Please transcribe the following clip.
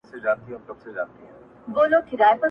قلندر ويل تا غوښتل غيرانونه-